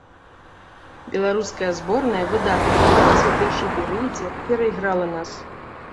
Беларуская зборная выдатна каталася ў першым перыядзе, перайграла нас.